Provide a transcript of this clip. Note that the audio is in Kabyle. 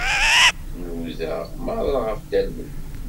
Nudaɣ meṛṛa ɣef Dda Lmulud.